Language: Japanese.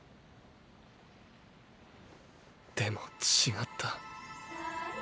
でも違った。